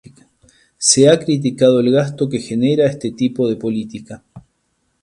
Se ha criticado el gasto que genera este tipo de política.